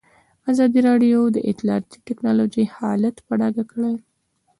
ازادي راډیو د اطلاعاتی تکنالوژي حالت په ډاګه کړی.